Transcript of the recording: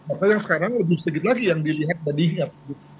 maka yang sekarang lebih sedikit lagi yang dilihat dan diingat